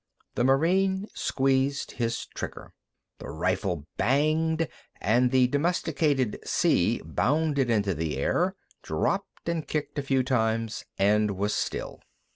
The Marine squeezed his trigger. The rifle banged, and the Domesticated C bounded into the air, dropped, and kicked a few times and was still.